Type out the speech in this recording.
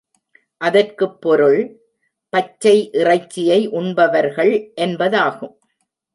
அதற்குப் பொருள், பச்சை இறைச்சியை உண்பவர்கள் என்பதாகும்.